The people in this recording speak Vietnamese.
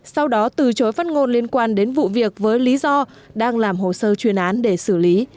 sau đó từ chối phát ngôn liên quan đến vụ việc với lý do đang làm hồ sơ chuyên án để xử lý